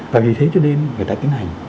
và vì thế cho nên người ta tiến hành